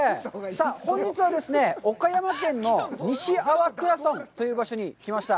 本日は、岡山県の西粟倉村という場所に来ました。